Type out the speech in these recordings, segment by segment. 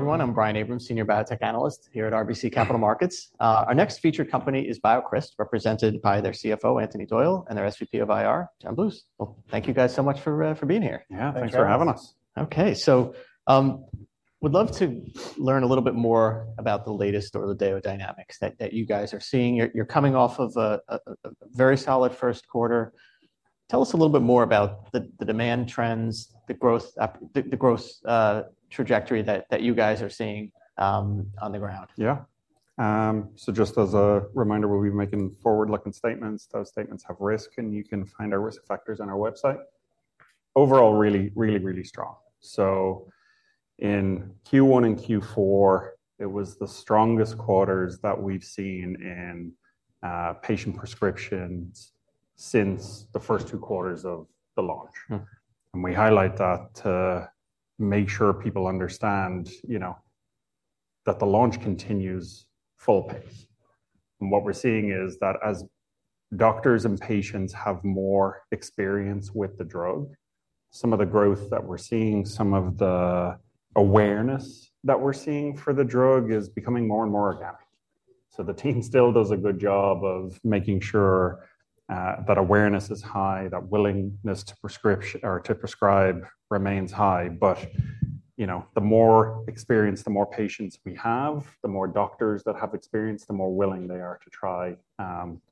Everyone, I'm Brian Abrahams, Senior Biotech Analyst here at RBC Capital Markets. Our next featured company is BioCryst, represented by their CFO, Anthony Doyle, and their SVP of IR, John Bluth. Well, thank you guys so much for being here. Yeah, thanks for having us. Okay, so I would love to learn a little bit more about the latest or the day-to-day dynamics that you guys are seeing. You're coming off of a very solid first quarter. Tell us a little bit more about the demand trends, the growth trajectory that you guys are seeing on the ground. Yeah. Just as a reminder, we'll be making forward-looking statements. Those statements have risk, and you can find our risk factors on our website. Overall, really, really, really strong. In Q1 and Q4, it was the strongest quarters that we've seen in patient prescriptions since the first two quarters of the launch. We highlight that to make sure people understand that the launch continues full pace. What we're seeing is that as doctors and patients have more experience with the drug, some of the growth that we're seeing, some of the awareness that we're seeing for the drug is becoming more and more organic. The team still does a good job of making sure that awareness is high, that willingness to prescribe remains high. But the more experience, the more patients we have, the more doctors that have experience, the more willing they are to try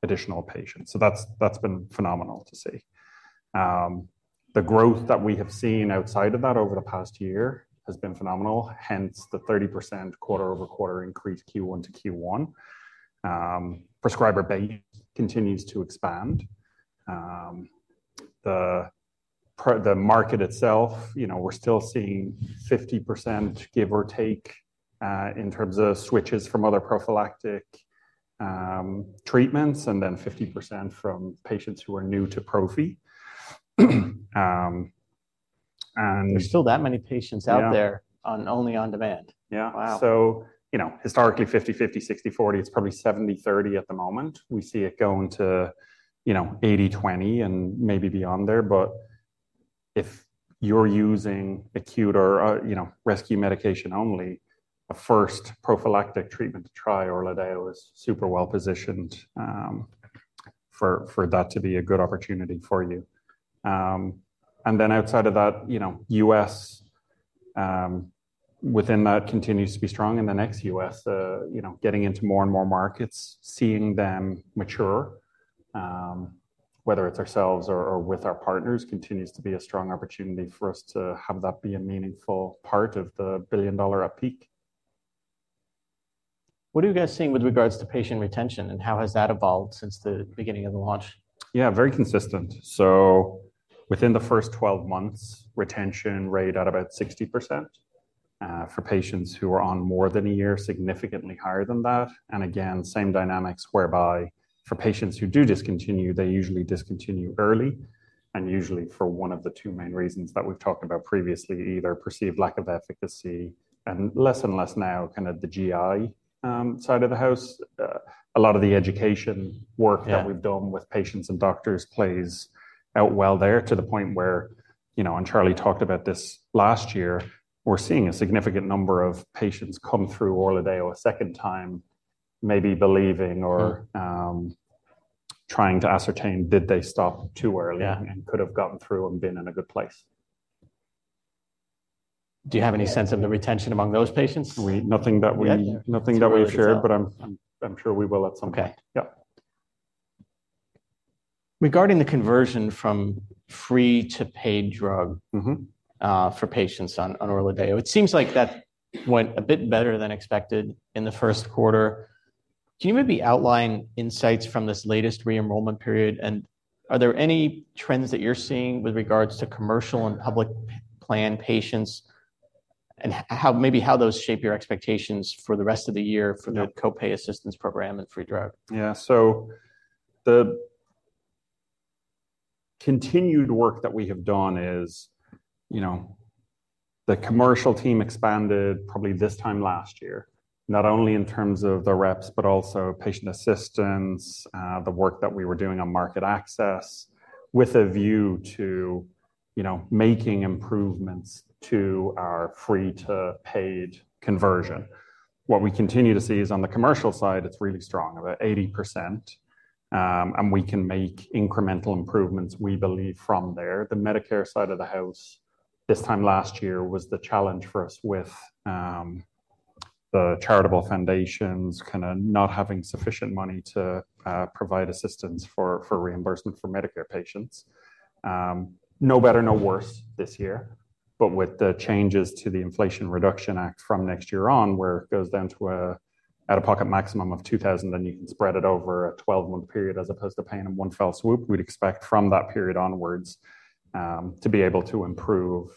additional patients. So that's been phenomenal to see. The growth that we have seen outside of that over the past year has been phenomenal, hence the 30% quarter-over-quarter increase Q1-Q1. Prescriber base continues to expand. The market itself, we're still seeing 50% give or take in terms of switches from other prophylactic treatments and then 50% from patients who are new to prophy. There's still that many patients out there only on demand. Yeah. So historically, 50/50, 60/40, it's probably 70/30 at the moment. We see it going to 80/20 and maybe beyond there. But if you're using acute or rescue medication only, a first prophylactic treatment to try, ORLADEYO is super well-positioned for that to be a good opportunity for you. And then outside of that, ex-US within that continues to be strong. And ex-US, getting into more and more markets, seeing them mature, whether it's ourselves or with our partners, continues to be a strong opportunity for us to have that be a meaningful part of the billion-dollar upside. What are you guys seeing with regards to patient retention, and how has that evolved since the beginning of the launch? Yeah, very consistent. So within the first 12 months, retention rate at about 60%. For patients who are on more than a year, significantly higher than that. And again, same dynamics whereby for patients who do discontinue, they usually discontinue early. And usually for one of the two main reasons that we've talked about previously, either perceived lack of efficacy and less and less now kind of the GI side of the house. A lot of the education work that we've done with patients and doctors plays out well there to the point where, and Charlie talked about this last year, we're seeing a significant number of patients come through ORLADEYO a second time, maybe believing or trying to ascertain, did they stop too early and could have gotten through and been in a good place? Do you have any sense of the retention among those patients? Nothing that we've shared, but I'm sure we will at some point. Okay. Yeah. Regarding the conversion from free to paid drug for patients on ORLADEYO, it seems like that went a bit better than expected in the first quarter. Can you maybe outline insights from this latest re-enrollment period? Are there any trends that you're seeing with regards to commercial and public plan patients and maybe how those shape your expectations for the rest of the year for the copay assistance program and free drug? Yeah. So the continued work that we have done is the commercial team expanded probably this time last year, not only in terms of the reps, but also patient assistance, the work that we were doing on market access with a view to making improvements to our free-to-paid conversion. What we continue to see is on the commercial side, it's really strong about 80%. And we can make incremental improvements, we believe, from there. The Medicare side of the house this time last year was the challenge for us with the charitable foundations kind of not having sufficient money to provide assistance for reimbursement for Medicare patients. No better, no worse this year. But with the changes to the Inflation Reduction Act from next year on, where it goes down to at a pocket maximum of $2,000, then you can spread it over a 12-month period as opposed to paying them one fell swoop, we'd expect from that period onwards to be able to improve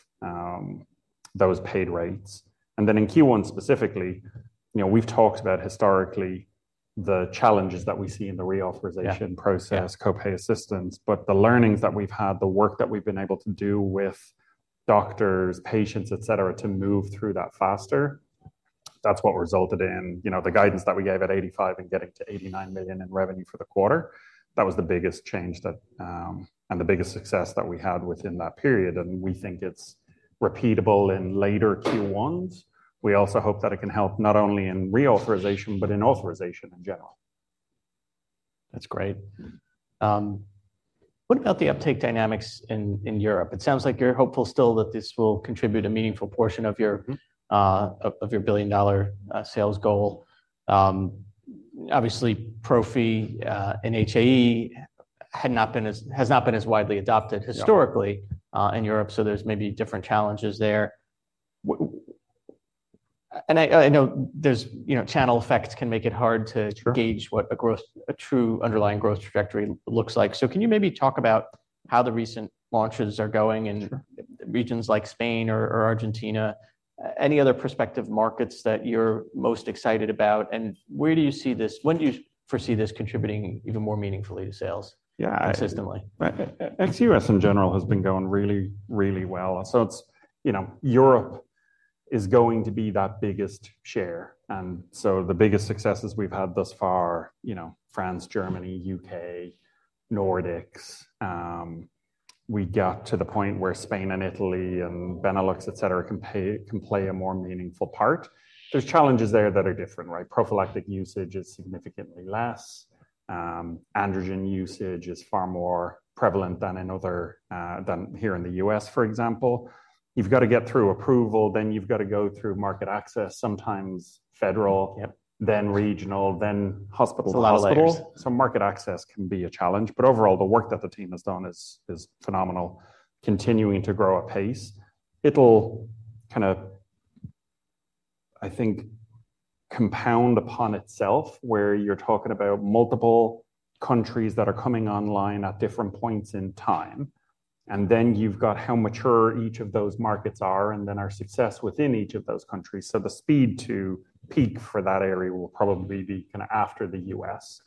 those paid rates. And then in Q1 specifically, we've talked about historically the challenges that we see in the reauthorization process, copay assistance, but the learnings that we've had, the work that we've been able to do with doctors, patients, etc., to move through that faster, that's what resulted in the guidance that we gave at $85 million and getting to $89 million in revenue for the quarter. That was the biggest change and the biggest success that we had within that period. And we think it's repeatable in later Q1s. We also hope that it can help not only in reauthorization, but in authorization in general. That's great. What about the uptake dynamics in Europe? It sounds like you're hopeful still that this will contribute a meaningful portion of your billion-dollar sales goal. Obviously, prophy and HAE has not been as widely adopted historically in Europe, so there's maybe different challenges there. And I know channel effects can make it hard to gauge what a true underlying growth trajectory looks like. So can you maybe talk about how the recent launches are going in regions like Spain or Argentina? Any other prospective markets that you're most excited about? And where do you see this? When do you foresee this contributing even more meaningfully to sales consistently? Yeah. ex-US in general has been going really, really well. So Europe is going to be that biggest share. And so the biggest successes we've had thus far, France, Germany, U.K., Nordics, we got to the point where Spain and Italy and Benelux, etc., can play a more meaningful part. There's challenges there that are different, right? Prophylactic usage is significantly less. Androgen usage is far more prevalent than here in the U.S., for example. You've got to get through approval, then you've got to go through market access, sometimes federal, then regional, then hospital level. A lot of hospitals. So market access can be a challenge. But overall, the work that the team has done is phenomenal, continuing to grow at pace. It'll kind of, I think, compound upon itself where you're talking about multiple countries that are coming online at different points in time. And then you've got how mature each of those markets are and then our success within each of those countries. So the speed to peak for that area will probably be kind of after the U.S.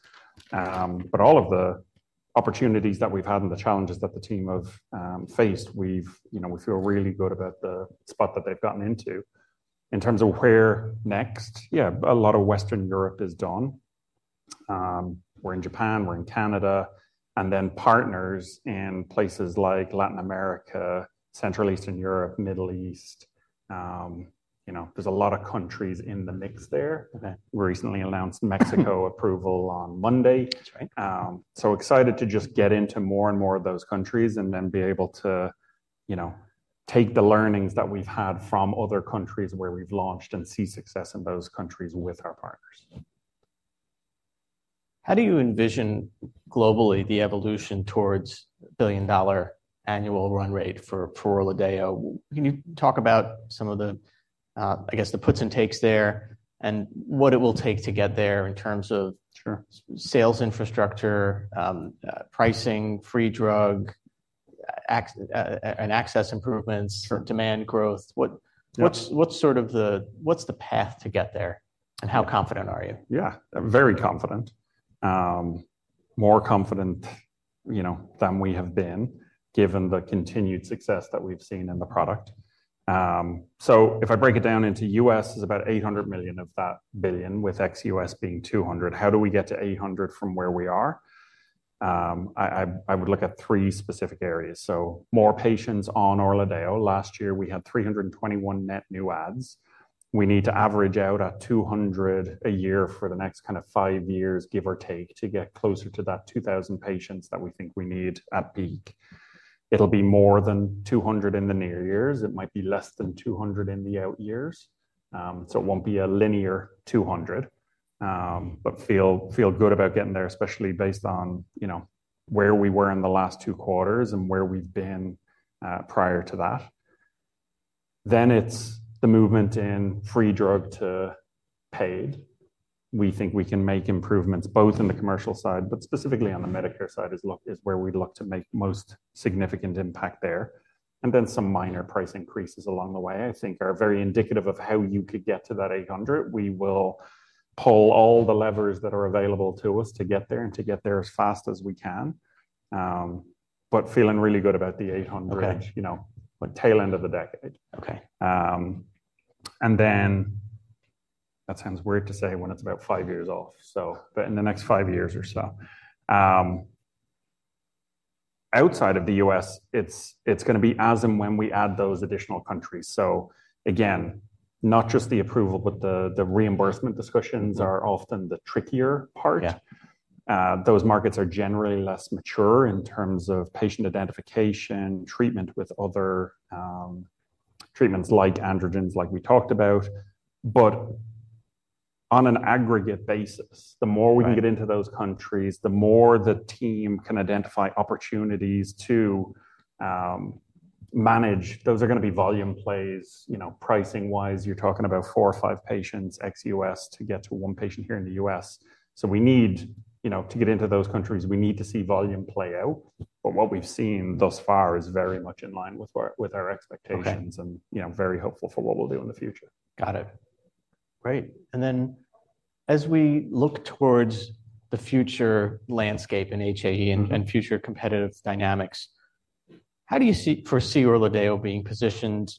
But all of the opportunities that we've had and the challenges that the team have faced, we feel really good about the spot that they've gotten into. In terms of where next, yeah, a lot of Western Europe is done. We're in Japan. We're in Canada. And then partners in places like Latin America, Central Eastern Europe, Middle East. There's a lot of countries in the mix there. We recently announced Mexico approval on Monday. So excited to just get into more and more of those countries and then be able to take the learnings that we've had from other countries where we've launched and see success in those countries with our partners. How do you envision globally the evolution towards billion-dollar annual run rate for ORLADEYO? Can you talk about some of the, I guess, the puts and takes there and what it will take to get there in terms of sales infrastructure, pricing, free drug, and access improvements, demand growth? What's sort of the what's the path to get there? And how confident are you? Yeah, very confident. More confident than we have been given the continued success that we've seen in the product. So if I break it down into U.S., it's about $800 million of that billion with ex-U.S. being $200 million. How do we get to $800 million from where we are? I would look at three specific areas. So more patients on ORLADEYO. Last year, we had 321 net new adds. We need to average out at 200 a year for the next kind of 5 years, give or take, to get closer to that 2,000 patients that we think we need at peak. It'll be more than 200 in the near years. It might be less than 200 in the out years. So it won't be a linear $200, but feel good about getting there, especially based on where we were in the last 2 quarters and where we've been prior to that. Then it's the movement in free drug to paid. We think we can make improvements both in the commercial side, but specifically on the Medicare side is where we'd like to make the most significant impact there. And then some minor price increases along the way, I think, are very indicative of how you could get to that $800. We will pull all the levers that are available to us to get there and to get there as fast as we can. But feeling really good about the $800, tail end of the decade. And then that sounds weird to say when it's about 5 years off, but in the next 5 years or so. Outside of the U.S., it's going to be as and when we add those additional countries. So again, not just the approval, but the reimbursement discussions are often the trickier part. Those markets are generally less mature in terms of patient identification, treatment with other treatments like androgens, like we talked about. But on an aggregate basis, the more we can get into those countries, the more the team can identify opportunities to manage. Those are going to be volume plays. Pricing-wise, you're talking about 4 or 5 patients, XUS, to get to one patient here in the U.S. So we need to get into those countries. We need to see volume play out. But what we've seen thus far is very much in line with our expectations and very hopeful for what we'll do in the future. Got it. Great. And then as we look towards the future landscape in HAE and future competitive dynamics, how do you foresee ORLADEYO being positioned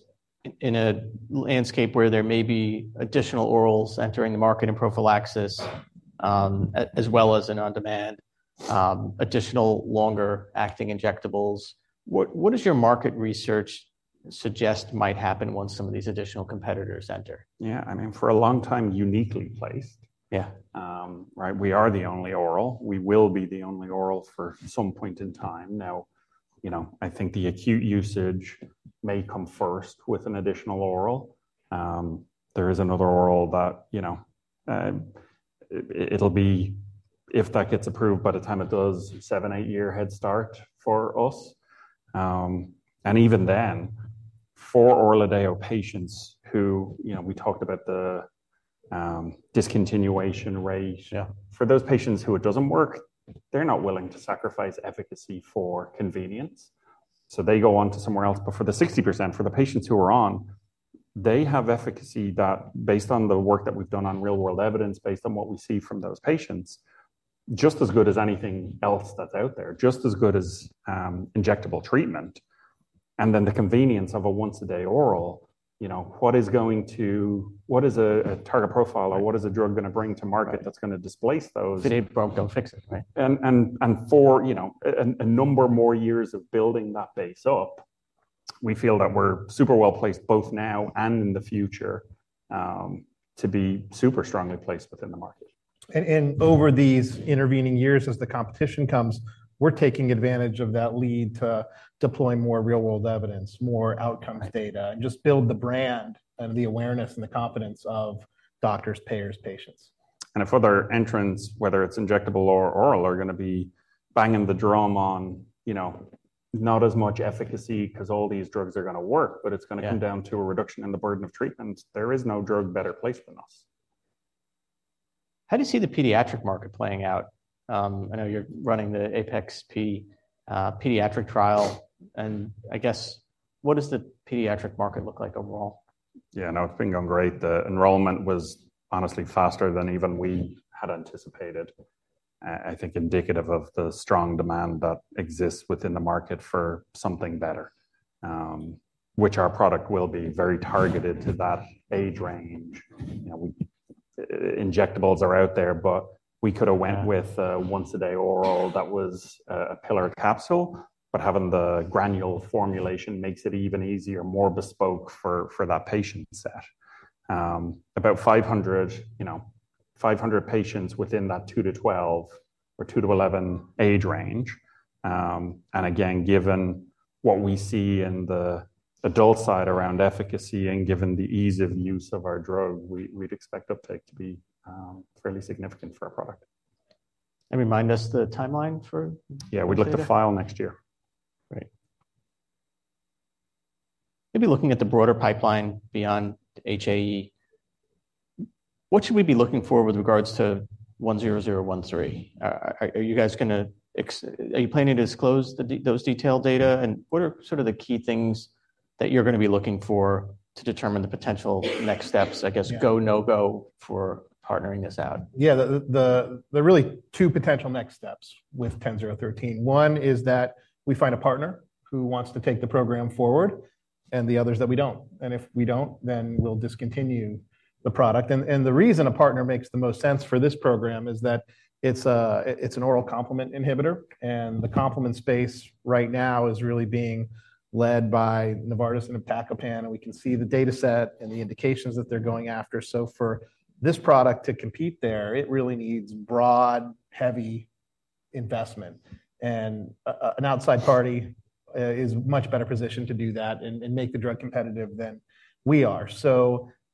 in a landscape where there may be additional orals entering the market in prophylaxis, as well as in on-demand, additional longer-acting injectables? What does your market research suggest might happen once some of these additional competitors enter? Yeah. I mean, for a long time, uniquely placed, right? We are the only oral. We will be the only oral for some point in time. Now, I think the acute usage may come first with an additional oral. There is another oral that it'll be, if that gets approved by the time it does, 7-8-year head start for us. And even then, for ORLADEYO patients who we talked about the discontinuation rate, for those patients who it doesn't work, they're not willing to sacrifice efficacy for convenience. So they go on to somewhere else. But for the 60%, for the patients who are on, they have efficacy that, based on the work that we've done on real-world evidence, based on what we see from those patients, just as good as anything else that's out there, just as good as injectable treatment. And then the convenience of a once-a-day oral, what is a target profile or what is a drug going to bring to market that's going to displace those? If it ain't broke, don't fix it, right? For a number more years of building that base up, we feel that we're super well-placed both now and in the future to be super strongly placed within the market. Over these intervening years, as the competition comes, we're taking advantage of that lead to deploy more real-world evidence, more outcomes data, and just build the brand and the awareness and the confidence of doctors, payers, patients. If other entrants, whether it's injectable or oral, are going to be banging the drum on not as much efficacy because all these drugs are going to work, but it's going to come down to a reduction in the burden of treatment, there is no drug better placed than us. How do you see the pediatric market playing out? I know you're running the APeX-P pediatric trial. I guess, what does the pediatric market look like overall? Yeah. No, it's been going great. The enrollment was honestly faster than even we had anticipated, I think indicative of the strong demand that exists within the market for something better, which our product will be very targeted to that age range. Injectables are out there, but we could have went with a once-a-day oral that was a pillar capsule, but having the granule formulation makes it even easier, more bespoke for that patient set. About 500 patients within that 2-12 or 2-11 age range. And again, given what we see in the adult side around efficacy and given the ease of use of our drug, we'd expect uptake to be fairly significant for our product. Remind us the timeline for. Yeah. We'd look to file next year. Great. Maybe looking at the broader pipeline beyond HAE, what should we be looking for with regards to 10013? Are you guys planning to disclose those detailed data? And what are sort of the key things that you're going to be looking for to determine the potential next steps, I guess, go, no-go for partnering this out? Yeah. There are really two potential next steps with 10013. One is that we find a partner who wants to take the program forward, and the other is that we don't. If we don't, then we'll discontinue the product. The reason a partner makes the most sense for this program is that it's an oral complement inhibitor. The complement space right now is really being led by Novartis and iptacopan. We can see the dataset and the indications that they're going after. For this product to compete there, it really needs broad, heavy investment. An outside party is much better positioned to do that and make the drug competitive than we are.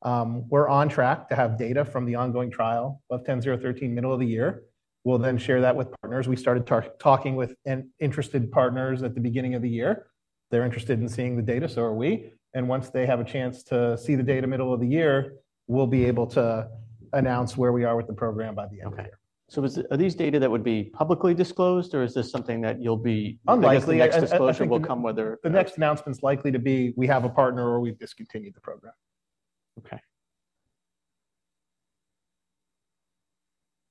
We're on track to have data from the ongoing trial of 10013 middle of the year. We'll then share that with partners. We started talking with interested partners at the beginning of the year. They're interested in seeing the data. So are we. And once they have a chance to see the data middle of the year, we'll be able to announce where we are with the program by the end of the year. Okay. So are these data that would be publicly disclosed, or is this something that you'll be likely next disclosure will come whether? The next announcement's likely to be we have a partner or we've discontinued the program. Okay.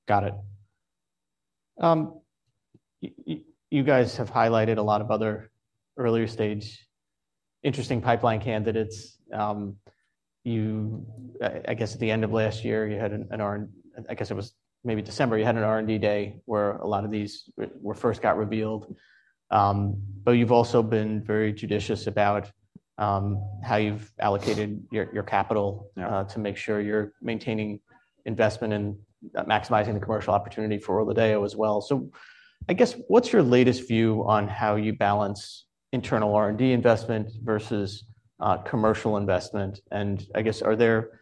Got it. You guys have highlighted a lot of other earlier-stage interesting pipeline candidates. I guess at the end of last year, you had an—I guess it was maybe December—you had an R&D day where a lot of these were first got revealed. But you've also been very judicious about how you've allocated your capital to make sure you're maintaining investment and maximizing the commercial opportunity for ORLADEYO as well. So I guess, what's your latest view on how you balance internal R&D investment versus commercial investment? And I guess, are there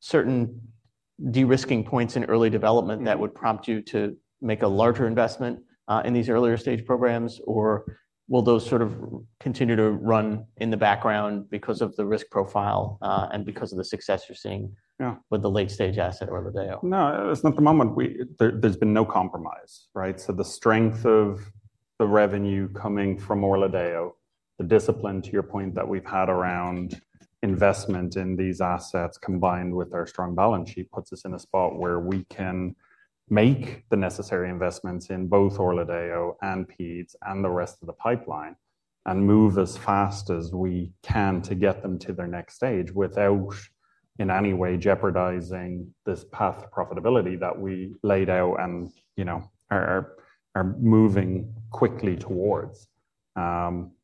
certain de-risking points in early development that would prompt you to make a larger investment in these earlier-stage programs, or will those sort of continue to run in the background because of the risk profile and because of the success you're seeing with the late-stage asset ORLADEYO? No, it's not the moment. There's been no compromise, right? So the strength of the revenue coming from ORLADEYO, the discipline, to your point, that we've had around investment in these assets combined with our strong balance sheet puts us in a spot where we can make the necessary investments in both ORLADEYO and peds and the rest of the pipeline and move as fast as we can to get them to their next stage without in any way jeopardizing this path to profitability that we laid out and are moving quickly towards.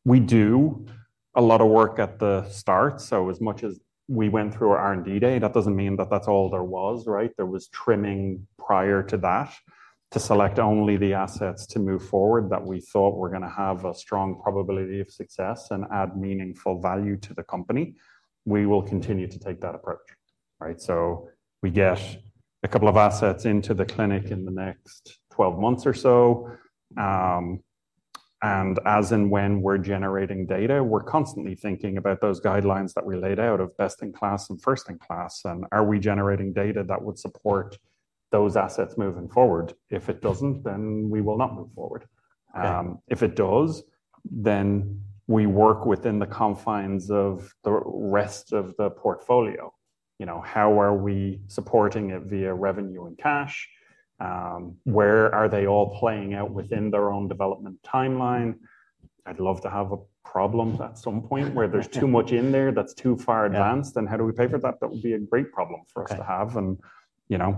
We do a lot of work at the start. So as much as we went through our R&D day, that doesn't mean that that's all there was, right? There was trimming prior to that to select only the assets to move forward that we thought were going to have a strong probability of success and add meaningful value to the company. We will continue to take that approach, right? So we get a couple of assets into the clinic in the next 12 months or so. And as and when we're generating data, we're constantly thinking about those guidelines that we laid out of best in class and first in class. And are we generating data that would support those assets moving forward? If it doesn't, then we will not move forward. If it does, then we work within the confines of the rest of the portfolio. How are we supporting it via revenue and cash? Where are they all playing out within their own development timeline? I'd love to have a problem at some point where there's too much in there that's too far advanced. And how do we pay for that? That would be a great problem for us to have. And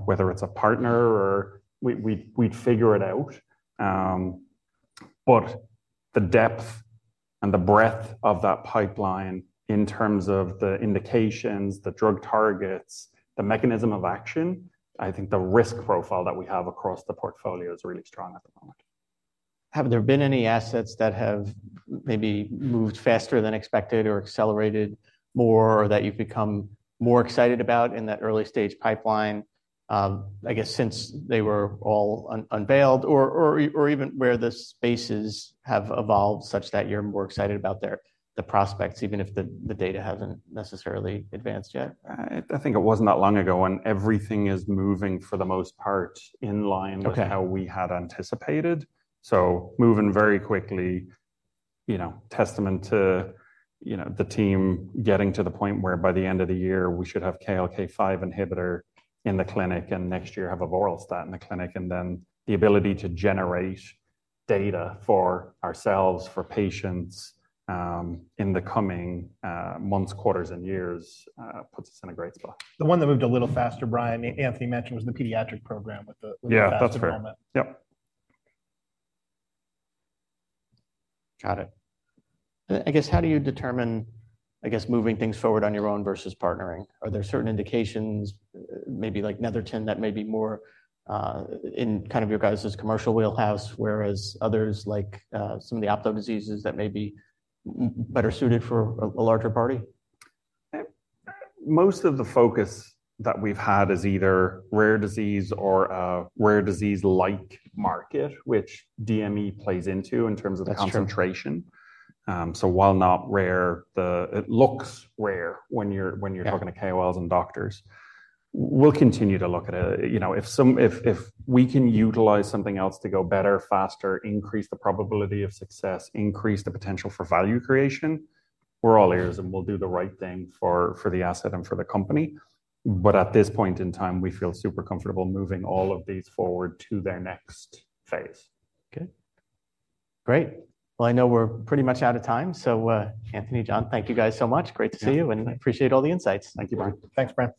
whether it's a partner or we'd figure it out. But the depth and the breadth of that pipeline in terms of the indications, the drug targets, the mechanism of action, I think the risk profile that we have across the portfolio is really strong at the moment. Have there been any assets that have maybe moved faster than expected or accelerated more or that you've become more excited about in that early-stage pipeline, I guess, since they were all unveiled or even where the spaces have evolved such that you're more excited about the prospects, even if the data hasn't necessarily advanced yet? I think it wasn't that long ago. Everything is moving for the most part in line with how we had anticipated. Moving very quickly, testament to the team getting to the point where by the end of the year, we should have KLK5 inhibitor in the clinic and next year have avoralstat in the clinic. Then the ability to generate data for ourselves, for patients in the coming months, quarters, and years puts us in a great spot. The one that moved a little faster, Brian, Anthony mentioned, was the pediatric program with the fast development. Yeah. That's right. Yep. Got it. I guess, how do you determine, I guess, moving things forward on your own versus partnering? Are there certain indications, maybe like Netherton, that may be more in kind of your guys' commercial wheelhouse whereas others, like some of the ophthalmic diseases, that may be better suited for a larger party? Most of the focus that we've had is either rare disease or a rare disease-like market, which DME plays into in terms of the concentration. So while not rare, it looks rare when you're talking to KOLs and doctors. We'll continue to look at it. If we can utilize something else to go better, faster, increase the probability of success, increase the potential for value creation, we're all ears and we'll do the right thing for the asset and for the company. But at this point in time, we feel super comfortable moving all of these forward to their next phase. Okay. Great. Well, I know we're pretty much out of time. So Anthony, John, thank you guys so much. Great to see you and appreciate all the insights. Thank you, Brian. Thanks, Brian.